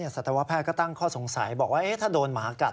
สัตวแพทย์ก็ตั้งข้อสงสัยบอกว่าถ้าโดนหมากัด